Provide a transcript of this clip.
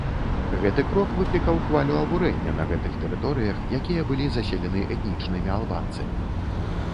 Гэты крок выклікаў хвалю абурэння на гэтых тэрыторыях, якія былі заселены этнічнымі албанцамі.